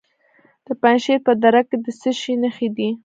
د پنجشیر په دره کې د څه شي نښې دي؟